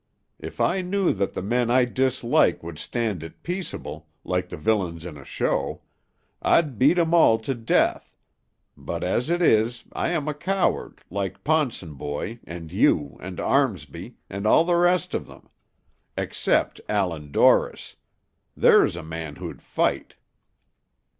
If I knew that the men I dislike would stand it peaceable, like the villains in a show, I'd beat 'm all to death; but as it is, I am a coward, like Ponsonboy, and you, and Armsby, and all the rest of them; except Allan Dorris there's a man who'd fight.